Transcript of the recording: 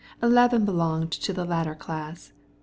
Levin belonged to the second class.